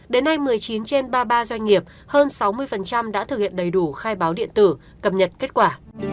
đến nay một mươi chín trên ba mươi ba doanh nghiệp hơn sáu mươi đã thực hiện đầy đủ khai báo điện tử cập nhật kết quả